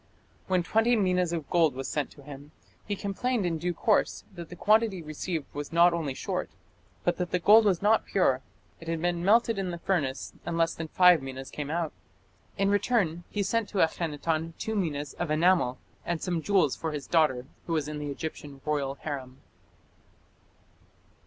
When twenty minas of gold was sent to him, he complained in due course that the quantity received was not only short but that the gold was not pure; it had been melted in the furnace, and less than five minas came out. In return he sent to Akhenaton two minas of enamel, and some jewels for his daughter, who was in the Egyptian royal harem.